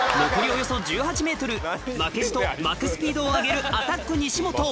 およそ１８ｍ負けじと巻くスピードを上げるアタック西本